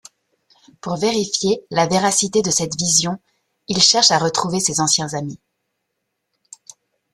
Pour vérifier la véracité de cette vision il cherche à retrouver ses anciens amis.